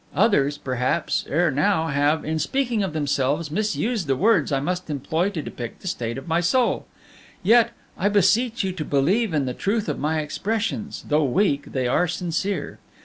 Others, perhaps, ere now, have, in speaking of themselves, misused the words I must employ to depict the state of my soul; yet, I beseech you to believe in the truth of my expressions; though weak, they are sincere.